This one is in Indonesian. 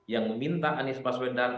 yang meminta anies baswedan